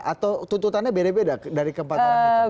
atau tuntutannya beda beda dari keempat